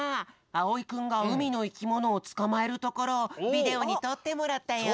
あおいくんがうみのいきものをつかまえるところをビデオにとってもらったよ！